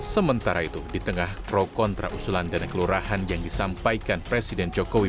sementara itu di tengah pro kontra usulan dana kelurahan yang disampaikan presiden jokowi